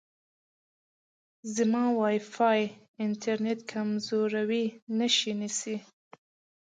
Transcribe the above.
زما وای فای انتن کمزورې نښې نیسي.